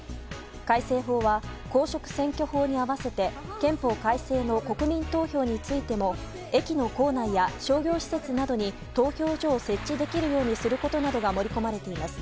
改正法は、公職選挙法に合わせて憲法改正の国民投票についても駅の構内や商業施設などに投票所を設置できるようにすることなどが盛り込まれています。